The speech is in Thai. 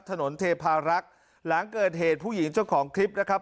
เทพารักษ์หลังเกิดเหตุผู้หญิงเจ้าของคลิปนะครับ